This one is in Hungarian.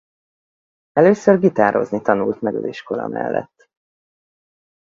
Először gitározni tanult meg az iskola mellett.